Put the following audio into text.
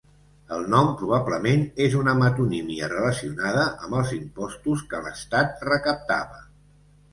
El nom probablement és una metonímia relacionada amb els impostos que l'Estat recaptava.